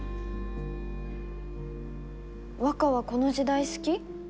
和香はこの時代好き？